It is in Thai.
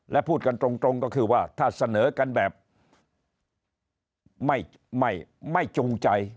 และพูดกันตรงก็คือว่าถ้าเสนอกันแบบไม่จูงใจ